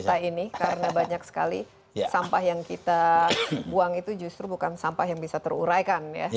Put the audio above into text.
kita ini karena banyak sekali sampah yang kita buang itu justru bukan sampah yang bisa teruraikan ya